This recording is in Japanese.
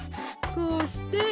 こうして。